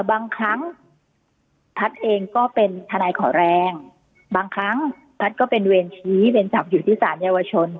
บางครั้งแพทย์เองก็เป็นทนายขอแรงบางครั้งแพทย์ก็เป็นเวรชี้เวรจับอยู่ที่สารเยาวชน